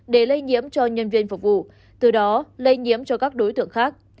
để lây nhiễm cho nhân viên phục vụ từ đó lây nhiễm cho các đối tượng khác